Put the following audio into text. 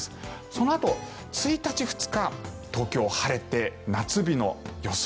そのあと１日、２日東京、晴れて夏日の予想。